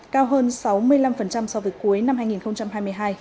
cao hơn sáu mươi năm so với cuối năm hai nghìn hai mươi hai